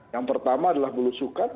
yang pertama adalah belusukan